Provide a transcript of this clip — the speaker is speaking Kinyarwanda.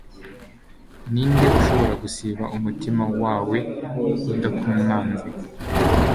ninde ushobora gusiba umutima wawe udakomanze